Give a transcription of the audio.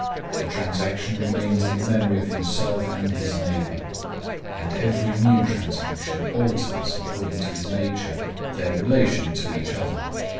The transaction remains in the memory of himself and his neighbor; and every new transaction alters according to its nature their relation to each other.